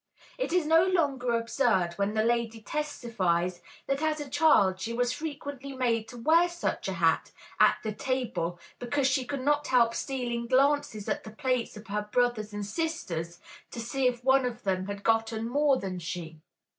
It is no longer absurd when the lady testifies that as a child she was frequently made to wear such a hat at the table, because she could not help stealing glances at the plates of her brothers and sisters to see if one of them had gotten more than she.